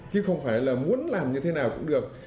chứ không phải là muốn làm như thế nào cũng được